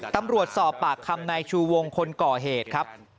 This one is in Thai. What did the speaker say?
ตำรวจสอบปากคำนายชูวงคนก่อเหตุครับ